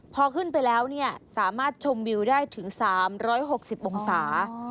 พอขึ้นไปแล้วสามารถชมวิวได้ถึง๓๖๐องศา